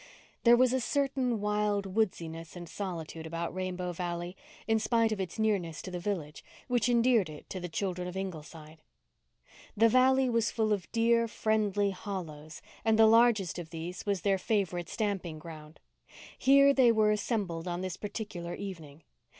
There was a certain wild woodsiness and solitude about Rainbow Valley, in spite of its nearness to the village, which endeared it to the children of Ingleside. The valley was full of dear, friendly hollows and the largest of these was their favourite stamping ground. Here they were assembled on this particular evening.